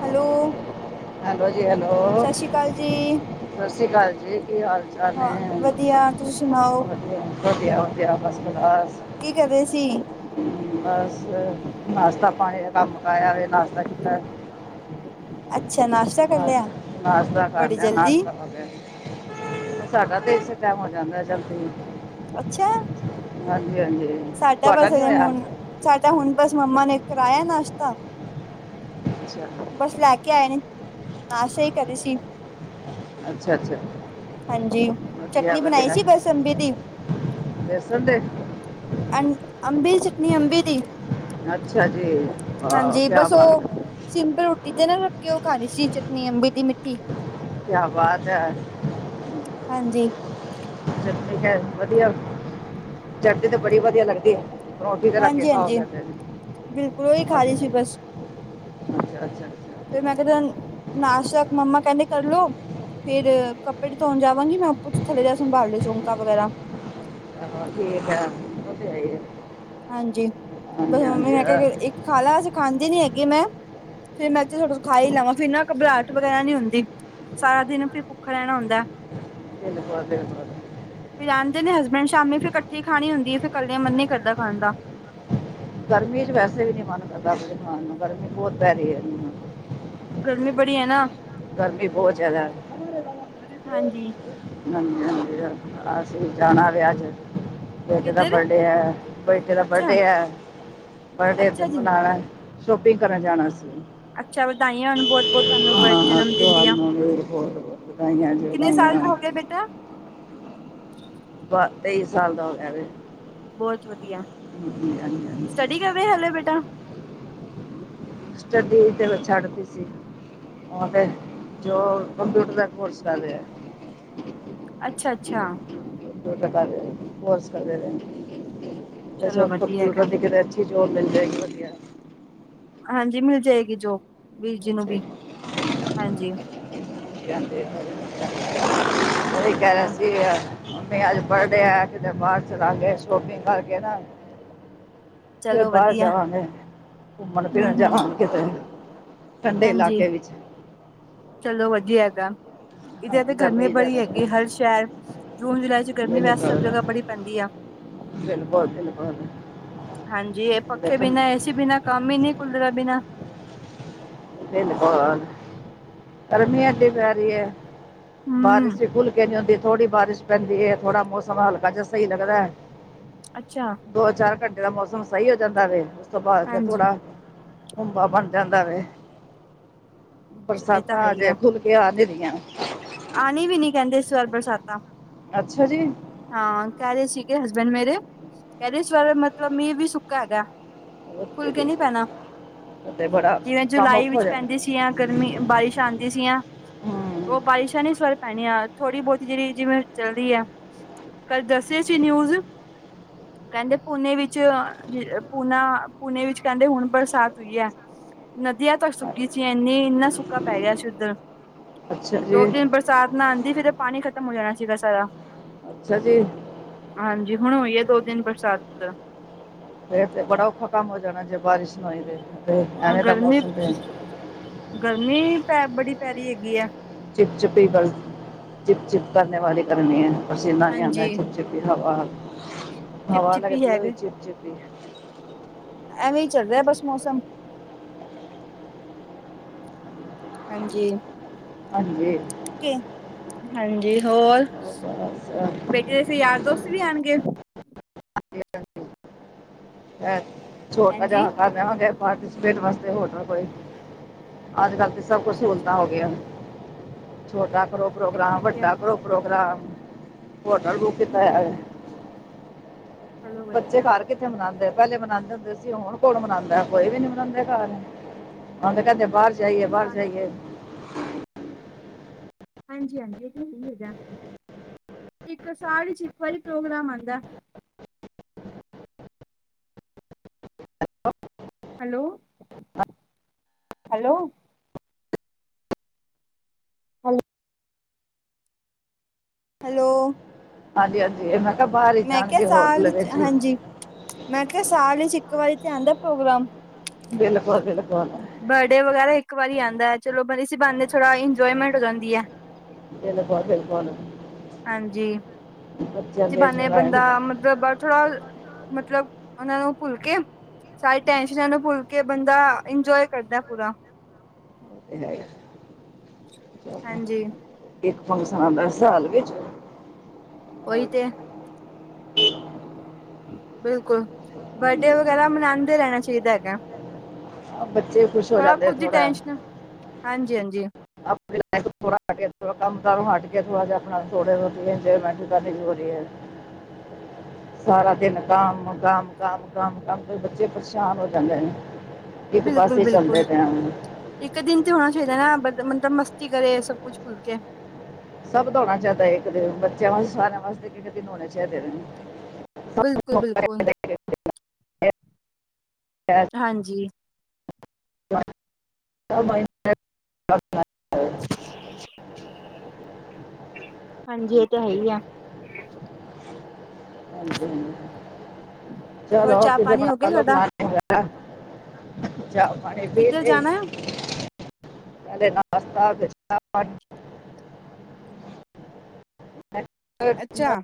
Hello. Hello ਜੀ hello. ਸਤਿ ਸ਼੍ਰੀ ਅਕਾਲ ਜੀ ਸਸੀ ਕਾਲ ਜੀ ਕੀ ਹਾਲ-ਚਾਲ ਹਾਂ ਨੇ ਵਧੀਆ ਤੁਸੀਂ ਸੁਣਾਓ ਵਧੀਆ ਜੀ। ਵਧੀਆ-ਵਧੀਆ' ' [unintelligible] ਕੀ ਕਰ ਰਹੇ ਸੀ। ਬੱਸ, ਨਾਸ਼ਤਾ ਪਾਣੀ ਦਾ ਕੰਮ ਕਾਇਆ ਹੋਵੇ ਨਾਸ਼ਤਾ ਕੀਤਾ। ਅੱਛਾ ਨਾਸ਼ਤਾ। ਕਰ ਲਿਆ ਨਾਸ਼ਤਾ ਕਰ ਬੜੀ ਲਿਆ, ਜਲਦੀ ਨਾਸ਼ਤਾ ਕਰਦੇ ਸਾਡਾ ਦੇਸ਼ ਕਾਇਮ ਹੋ ਜਾਂਦਾ ਜਲਦੀ ਅੱਛਾ। ਹਾਂਜੀ-ਹਾਂਜੀ ਸਾਡਾ ਤੁਹਾਡਾ ਬਸ ਨੀ ਹਜੇ ਹੋਇਆ। ਹੁਣ ਸਾਡਾ ਹੁਣ ਬੱਸ ਮੰਮਾ ਨੇ ਕਰਾਇਆ ਨਾਸ਼ਤਾ। ਅੱਛਾ ਬੱਸ ਲੈ ਕੇ ਆਏ ਨੇ, ਨਾਸਾ ਹੀ ਕਰੇ ਸੀ। ਅੱਛਾ-ਅੱਛਾ। ਹਾਂਜੀ, ਚਟਨੀ ਬਣਾਈ ਸੀ ਬੱਸ ਅੰਬੀ ਦੀ ਵੇਸਨ ਦੇ। ਅੰ-ਅੰਬੇ ਦੀ ਚਟਨੀ, ਅੰਬੀ ਦੀ ਅੱਛਾ ਜੀ‌, ਬਾਹ ਹਾਂਜੀ ਕਿਆ ਬਸ ਉਹ ਬਾਤ ਐ। ਸਿੰਪਲ ਰੋਟੀ ਤੇ ਰੱਖ ਕੇ ਉਹ ਖਾ ਰਹੀ ਸੀ ਚਟਨੀ ਅੰਬੀ ਦੀ ਮਿੱਟੀ। ਕਿਆ ਬਾਤ ਐ। ਹਾਂਜੀ। ਚਟਣੀ ਤਾ ਵਧੀਆ, ਚਟਣੀ ਤੇ ਬੜੀ ਵਧੀਆ ਲੱਗਦੀ ਐ। ਰੋਟੀ ਦੇ ਲਗੇ ਹਾਂਜੀ ਹਾਂਜੀ ਖਾਓਗੇ, ਬਿਲਕੁਲ ਉਹੀ ਖਾ ਰਹੀ ਸੀ ਬਸ ਅੱਛਾ-ਅੱਛਾ। ਫਿਰ ਮੈਂ ਕਹਿੰਦਾ ਨਾਸ਼ਤਾ ਮੰਮਾ ਕਹਿੰਦੇ ਕਰਲਓ। ਫਿਰ ਕੱਪੜੇ ਧੋਣ ਜਾਵਾਂਗੀ ਮੈਂ ਉਪਰ। ਤੂੰ ਥੱਲੇ ਦਾ ਸੰਭਾਲ ਲੋ ਚੌਕਾ ਵਗੈਰਾ ਆਹ ਠੀਕ ਆ ਉਹ ਤੇ ਹੈ ਈ ਆ ਹਾਂਜੀ -ਹਾਂਜੀ ਆ। ਖਾਲਾ ਅਸੀ ਖਾਂਦੇ ਨੀ ਹੈਗੇ ਮੈਂ ਫਿਰ ਮੈਂ ਤੇ ਥੋਡਾ ਖਾਈ ਲਾਵਾਂ ਫਿਰ ਨਾ ਘਬਰਾਹਟ ਵਗੈਰਾ ਨੀ ਹੁੰਦੀ। ਸਾਰਾ ਦਿਨ ਫਿਰ ਭੁੱਖਾ ਰਹਿਣਾ ਹੁੰਦਾ। [unintelligible] ਫਿਰ ਆਦੇ ਨੇਂ ਹਸਬੈਂਡ ਸ਼ਾਮੀ ਫਿਰ ਇਕੱਠੀ ਖਾਣੀ ਹੁੰਦੀ ਆ। ਫੇਰ ਕਲਿਆਂ ਮਨ ਹੀ ਕਰਦਾ ਖਾਣ ਦਾ। ਗਰਮੀ 'ਚ ਵੈਸੇ ਵੀ ਨੀ ਮਨ ਕਰਦਾ ਕੁਛ ਖਾਨ ਨੂੰ ਗਰਮੀ ਬਹੁਤ ਪੈ ਰਹੀ ਐ। ਗਰਮੀ ਬੜੀ ਐ ਨਾ। ਗਰਮੀ ਬਹੁਤ ਜ਼ਿਆਦਾ ਹੈ। [inaudible] ਹਾਂਜੀ। ਹਾਂਜੀ -ਹਾਂਜੀ ਅਸੀਂ ਜਾਣਾ ਵਿਆਹ 'ਚ ਬੇਟੇ ਦਾ ਕਿੱਧਰ ਬਰਡੇ ਐ। ਬੈਟੇ ਦਾ ਅੱਛਾ ਬਰਡੇ ਐ। [unintelligible] ਅੱਛਾ ਜੀ ਮਨਾਣਾ ਸ਼ੋਪਿੰਗ ਕਰਨ ਜਾਣਾ ਸੀ। ਅੱਛਾ ਵਧਾਈਆਂ ਹੋਣ ਬਹੁਤ ਬਹੁਤ ਤੁਹਾਨੂੰ ਹਾਂ ਜਨਮ ਦਿਨ ਦੀਆਂ ਤੁੂੰਹਾਨੂ ਵੀ ਬਹੁਤ-ਬਹੁਤ ਵਧਾਈਆਂ ਜੀ ਵਧਾਈਆਂ। ਓਕੇ ਬੇਟਾ। ਬ ਤੇਈ ਸਾਲ ਦਾ ਹੋ ਗਿਆ। ਹਾਂਜੀ ਹਾਂ ਕੀ ਕਰਦਾ ਹਾਲੇ ਬੇਟਾ। ਸਟੱਡੀ ਤੇ ਫਿਰ ਛੱਡਦੀ ਸੀ। ਉਹ ਤੇ ਜੋ ਕੰਪਿਊਟਰ ਦਾ ਕੋਰਸ ਕਰ ਰਿਹਾ। ਅੱਛਾ -ਅੱਛਾ [unintelligible] ਹੋਰ ਕੰਪਿਊਟਰ ਦੀ ਕਿਤੇ ਕੋਰਸ ਕਰ ਚਲੋ ਵਧੀਆ ਹੈਗਾ ਰਿਹਾ ਕਿ ਜੌਬ ਮਿਲ ਜਾਏਗੀ ਵਧੀਆ। ਹਾਂਜੀ ਮਿਲ ਜਾਏਗੀ ਜੋਬ ਵੀਰ ਜੀ ਮਿਲ ਨੂੰ ਵੀ। ਜਾਏਗੀ ਹਾਂਜੀ। [unintelligible] ਕਹਿ ਹਾਂ ਸੀ [unintelligible] ਮੰਮੀ ਅੱਜ ਬਰਡੇ ਆ ਕਿਤੇ ਬਾਹਰ ਚਲਾਗੇ। ਸ਼ੌਪਿੰਗ ਕਰਕੇ ਨਾ ਫਿਰ ਚਲੋ ਬਾਹਰ ਵਧੀਆ ਜਾਵਗੇ ਘੁੰਮਣ- ਹੂੰ ਫਿਰਨ ਹੂੰ ਜਾਵਾਂਗੇ ਕਿਤੇ। ਠੰਡੇ ਹਾਂਜੀ ਇਲਾਕੇ ਵਿੱਚ ਚੱਲੋ ਵਧੀਆ। ਇਹ ਤਾ। ਹਾਂ, ਇਧਰ ਤੇ ਗਰਮੀ ਬੜੀ ਜ਼ਿਆਦਾ ਪਈ ਹੈਗੀ ਹਰ ਸ਼ਹਿਰ। ਜੂਨ -ਜੁਲਾਈ 'ਚ ਗਰਮੀ ਮੈਨੂੰ ਵੈਸੇ ਸਭ ਕਰਦਾ ਜਗ੍ਹਾ ਬੜੀ ਪੈਂਦੀ ਆ। ਬਿਲਕੁਲ [inaudible] ਹਾਂਜੀ ਇਹ ਪੱਖੇ ਬਿਨਾਂ ਏ ਸੀ ਬਿਨਾਂ ਕੰਮ ਹੀ ਨੀ ਕੂਲਰਾਂ ਬਿਨਾਂ। [unintelligible] ਗਰਮੀ ਐਨੀ ਪੈ ਰਹੀ ਐ। ਹੂੰ ਬਾਰਿਸ਼ ਹੀ ਖੁੱਲ ਕੇ ਨੀ ਹੁੰਦੀ। ਥੋੜੀ ਬਾਰਿਸ਼ ਪੈਂਦੀ ਐ। ਥੋੜਾ ਮੌਸਮ ਹਲਕਾ ਜਿਹਾ ਸਹੀ ਲੱਗਦਾ ਐ। ਅੱਛਾ। ਦੋ- ਚਾਰ ਘੰਟੇ ਦਾ ਮੌਸਮ ਸਹੀ ਹੋ ਜਾਂਦਾ ਵੇ। ਉਸ ਤੋਂ ਬਾਅਦ ਫਿਰ ਹਾਂਜੀ ਥੋੜਾ ਹੁੰਬਾ ਬਣ ਜਾਂਦਾ ਵੇ। ਇਹ ਤਾਂ ਬਰਸਾਤਾਂ ਅਜੇ ਖੁੱਲ ਕੇ ਆ ਨੀ ਰਹੀਆ। ਆਂਣੀ ਵੀ ਨੀ ਕਹਿੰਦੇ ਇਸ ਵਾਰ ਬਰਸਾਤਾਂ। ਅੱਛਾ ਜੀ। ਹਾਂ ਕਹਿ ਰਹੇ ਸੀਗੇ ਹਸਬੈਂਡ ਮੇਰੇ ਕਹਿ ਰਹੇ ਸੀ ਇਸ ਵਾਰੇ ਮਤਲਬ ਮੀਂਹ ਵੀ ਸੁੱਕਾ ਹੈਗਾ। ਓਕੇ ਖੁੱਲ ਕੇ ਜੀ ਨੀ ਪੈਣਾ। ਤੇ ਬੜਾ ਜਿਵੇਂ ਕੰਮ ਜੁਲਾਈ ਔਖਾ ਹੋ ਵਿੱਚ ਜਾਣਾ ਪੈਂਦੀ ਸੀ। ਐ ਗਰਮੀ ਬਾਰਿਸ਼ ਆਂਦੀ ਸੀ ਆ। ਹਮ, ਉਹ ਬਾਰਿਸ਼ਾਂ ਨੀ ਇਸ ਵਾਰ ਪੈਣੀਆਂ। ਥੋੜੀ ਬਹੁਤੀ ਜਿਹੜੀ ਜਿਵੇਂ ਚੱਲਦੀ ਐ। ਕੱਲ ਦੱਸਿਆ ਸੀ ਨਿਊਜ਼। ਹ [inaudible] ਕਹਿੰਦੇ ਪੂਨੇ ਵਿੱਚ ਪੂਨਾ -ਪੂਨੇ ਵਿੱਚ ਕਹਿੰਦੇ ਹੁਣ ਬਰਸਾਤ ਹੋਈ ਐ। ਨਦੀਆਂ ਤੱਕ ਸੁੱਕੀ ਸੀ ਇੰਨੀ -ਇੰਨਾ ਸੋਕਾ ਪੈ ਗਿਆ ਸੀ। ਉੱਧਰ। ਅੱਛਾ ਦੋ ਜੀ ਦਿਨ ਬਰਸਾਤ ਨਾ ਆਂਦੀ ਫਿਰ ਪਾਣੀ ਖ਼ਤਮ ਹੋ ਜਾਣਾ ਸੀਗਾ ਸਾਰਾ। ਅੱਛਾ -ਜੀ ਹਾਂਜੀ ਹੁਣ ਹੋਈ ਐ। ਦੋ ਦਿਨ ਬਰਸਾਤ। ਫਿਰ ਤੇ ਬੜਾ ਔਖਾ ਕੰਮ ਹੋ ਜਾਣਾ ਜੇ ਬਾਰਿਸ਼ ਨਾ ਹੋਈ ਤੇ। ਤੇ ਹਾਂ ਐਵੇਂ ਦਾ ਗਰਮੀ ਮੌਸਮ ਤੇ। ਗਰਮੀ ਅ ਬੜੀ ਪੈ ਰਹੀ ਹੈਗੀ ਆ। ਚਿਪ- ਚਿਪ ਹੀ ਗ ਚਿਪ -ਚਿਪ ਕਰਨੇ ਵਾਲੀ ਗਰਮੀ ਐ। ਪਸੀਨਾ ਵੀ ਆਉਂਦਾ ਹਾਂਜੀ ਚਿਪ ਚਿਪੀ ਹਵਾ ਚਿਪ -ਹਵਾ ਚਿਪੀ ਲਗਦੀ ਐ। ਹੋ ਹੈਗੇ ਚਿਪ- ਚਿਪ ਐਵੇਂ ਹੀ ਚੱਲ ਰਿਹਾ ਬਸ ਮੌਸਮ। ਹਾਂਜੀ -ਹਾਂਜੀ ਹੋਰ ਮੈ ਕਿਹਾ ਰਹੀ ਸੀ। ਯਾਰ ਦੋਸਤ ਵੀ ਆਣਗੇ। ਹਾਂ [inaudible] ਹੈ ਛੋਟਾ ਜਾ ਹਾਂਜੀ ਹਨਾਂ। ਪਾਰਟੀਸਪੇਟ ਵਾਸਤੇ ਹੋਰ ਨਾ ਕੋਈ ਅੱਜ- ਕੱਲ ਤੇ ਸੁੱਖ ਅੱਛਾ ਸਹੂਲਤਾਂ ਅੱਛਾ ਹੋ ਗਿਆ। ਛੋਟਾ ਕਰੋ ਇਹ ਤਾਂ ਹੈ ਪ੍ਰੋਗਰਾਮ, ਹੀ ਹੈ ਵੱਡਾ ਕਰੋ ਪ੍ਰੋਗਰਾਮ ਹੋਟਲ ਬੁੱਕ ਹਮ ਕੀਤਾ ਹੋਇਆ। ਹਮ ਚਲੋ ਬੱਚੇ ਵਧੀਆ ਘਰ ਕਿੱਥੇ ਮਨਾਂਦੇ ਆ। ਪਹਿਲੇ ਮਨਾਂਦੇ ਹੁੰਦੇ ਸੀ। ਹੁਣ ਕੌਣ ਮਨਾਂਦਾ ਕੋਈ ਵੀ ਨੀ ਮਨਾਂਦੇ ਘਰ। ਹੁਣ ਤੇ ਕਹਿੰਦੇ ਬਾਹਰ ਜਾਈਏ ਬਾਹਰ ਇਨਸਾਨ ਜਾਈਏ। ਹਾਂਜੀ ਹਾਂਜੀ ਇਹ ਤੇ ਸਹੀ ਹੈਗਾ ਇੱਕ ਸਾਲ 'ਚ ਇਕ ਵਾਰੀ ਪ੍ਰੋਗਰਾਮ ਆਂਦਾ। Hello hello. ਹੈਲੌ। ਹੈਲੋ ਹਾਂਜੀ ਹਾਂਜੀ ਇਹ ਮੈਂ ਕਿਹਾ ਬਾਹਰ ਹੀ ਜਾਣਗੇ ਹੋਟਲ ਵਿੱਚ ਹੀ। ਮੈਂਖਾ ਸਾਲ ਵਿਚ ਇੱਕ ਵਾਰੀ ਤੇ ਆਂਦਾ ਪ੍ਰੋਗਰਾਮ। ਬਿਲਕੁਲ -ਬਿਲਕਲ। ਬਰਡੇ ਵਗੈਰਾ ਇੱਕ ਵਾਰੀ ਆਂਦਾ ਐ। ਚਲੋ ਇਸ ਬਹਾਣੇ ਥੋੜਾ ਇੰਜੋਏਮੈਂਟ ਹੋ ਜਾਂਦੀ ਐ। ਬਿਲਕੁਲ-ਬਿਲਕੁਲ। ਹਾਂਜੀ ਇਸੀ ਬਾਨੇ ਜਵਾਨ ਬੰਦਾ [unintelligible] ਮਤਲਬ ਉਹਨਾਂ ਨੂੰ ਭੁੱਲ ਕੇ ਸਾਰੇ ਟੈਸ਼ਨਾਂ ਨੂੰ ਭੁੱਲ ਕੇ ਬੰਦਾ ਇੰਜੋਏ ਕਰਦਾ ਪੂਰਾ। ਜਾ ਜਾ। ਹਾਂਜੀ। ਇੱਕ ਫੰਕਸ਼ਨ ਆਂਦਾ ਸਾਲ ਵਿੱਚ। ਉਹੀ ਔਰ ਤੇ ਐ। ਬਿਲਕੁਲ ਬਰਡੇ ਵਗੈਰਾ ਮਨਾਂਦੇ ਰਹਿਣਾ ਚਾਹੀਦਾ ਹੈਗਾ। ਬੱਚੇ ਖੁਸ਼ ਹੋ ਥੋੜਾ ਜਾਂਦੇ ਆ ਖੁਦ ਹੀ ਥੋੜ੍ਹਾ। ਟੈਸ਼ਨ ਹਾਂਜੀ ਹਾਂਜੀ [unintelligible] [inaudible] ਸਾਰਾ ਦਿਨ ਕੰਮ ਕਾਮ ਕਾਮ ਕੰਮ ਕੰਮ ਤੇ ਬੱਚੇ ਪਰੇਸ਼ਾਨ ਹੋ ਜਾਂਦੇ ਨੇ। ਇੱਕ ਬਿਲਕੁਲ ਪਾਸੇ ਬਿਲਕੁਲ ਚੱਲਦਾ ਪੈਣਾ। ਇੱਕ ਦਿਨ ਤੇ ਹੋਣਾ ਚਾਹੀਦਾ ਨਾ ਮਤਲਬ ਬੰਦਾ ਮਸਤੀ ਕਰੇ ਸਭ ਕੁੱਛ ਭੁੱਲ ਕੇ। ਸਭ ਦਾ ਹੋਣਾ ਚਾਹੀਦਾ ਇੱਕ ਦਿਨ। ਬੱਚਿਆਂ ਵਾਸਤੇ ਸਾਰਿਆਂ ਵਾਸਤੇ ਇਕ-ਇਕ ਦਿਨ ਹੋਣੇ ਚਾਹੀਦੇ ਨੇ। ਸਭ ਬਿਲਕੁਲ ਨੂੰ ਬਿਲਕੁਲ [unintelligible] ਹਾਂਜੀ। ' [unintelligible] ' [unintelligible] ' [unintelligible] ਹਾਂਜੀ ਇਹ ਤਾਂ ਹੈ ਹੀ ਆ। ਹਾਂਜੀ-ਹਾਂਜੀ, ਹੋਰ ਚਲੋ ਚਾਹ ਕਿਤੇ ਪਾਣੀ ਹੋ ਗਿਆ ਬਣਾ ਲੋੋ ਤੁਹਾਡਾ ਪਲੈਨ ਚਾਹ, ਚਾਹ-ਪਾਣੀ ਪੀ ਕਿੱਧਰ ਲਈ। ਜਾਣਾ ਹੈ? ਪਹਿਲੇ ਨਾਸ਼ਤਾ ਫਿਰ ਚਾਹ-ਪਾਣੀ। ' ਅੱਛਾ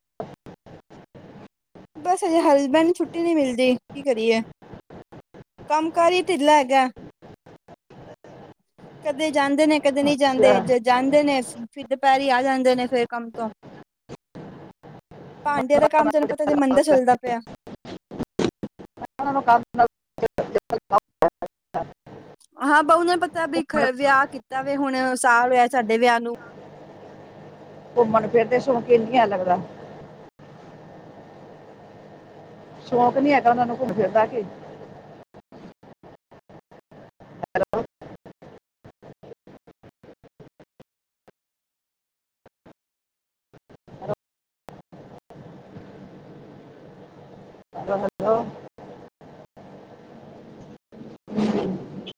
[inaudible] ਬੱਸ ਅਜੇ ਹਲਬੈਂਨ ਛੁੱਟੀ ਨੀ ਮਿਲਦੀ ਕੀ ਕਰੀਏ। ਕੰਮ ਕਾਰ ਈ ਢਿੱਲਾ ਹੈਗਾ ਕਦੇ ਜਾਂਦੇ ਨੇ ਕਦੇ ਨਹੀਂ ਜਾਂਦੇ ਜੇ ਜਾਂਦੇ ਨੇ ਫਿਰ ਦੁਪਹਿਰੀ ਆ ਜਾਂਦੇ ਨੇ ਫਿਰ ਕੰਮ ਤੋਂ ਭਾਂਡਿਆਂ ਦਾ ਕੰਮ ਤੈਨੂੰ ਪਤਾ ਜੇ ਮੰਦਾ ਚੱਲਦਾ ਪਿਆ। ' [unintelligible] ਹਾਂ ਬਹੁ ਨੇ ਪਤਾ ਵੀ ਵਿਆਹ ਕੀਤਾ ਵਾ ਹੁਣ ਸਾਲ ਹੋਇਆ ਸਾਡੇ ਵਿਆਹ ਨੂੰ ਘੁੰਮਣ ਫਿਰਨ ਦੇ ਸੌਕੀ ਨੀ ਏ ਲੱਗਦਾ ਸ਼ੌਕ ਨੀ ਹੈਗਾ ਉਹਨਾ ਨੂੰ ਘੁੰਮਣ ਦਾ ਜੇ। Hello' ' [inaudible] hello hello' ' [inaudible] ' [inaudible]